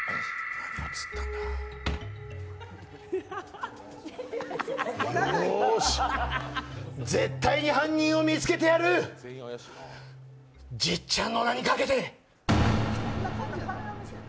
何を釣ったんだよーし、絶対に犯人を見つけてやるじっちゃんの名にかけて。